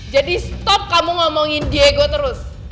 jadi stop kamu ngomongin diego terus